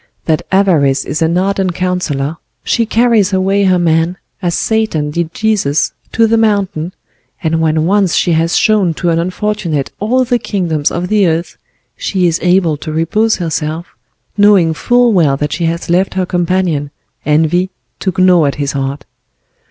That Avarice is an ardent counselor; she carries away her man, as Satan did Jesus, to the mountain, and when once she has shown to an unfortunate all the kingdoms of the earth, she is able to repose herself, knowing full well that she has left her companion, Envy, to gnaw at his heart.